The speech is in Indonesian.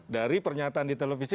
dari pernyataan di televisi